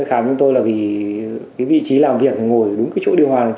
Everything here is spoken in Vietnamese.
ăn uống đủ nước